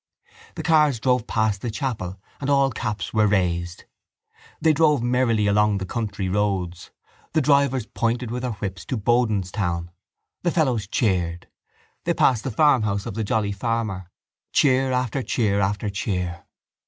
The cars drove past the chapel and all caps were raised. They drove merrily along the country roads. The drivers pointed with their whips to Bodenstown. The fellows cheered. They passed the farmhouse of the Jolly Farmer. Cheer after cheer after cheer.